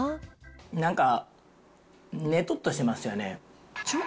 なんかねとっとしてますよね。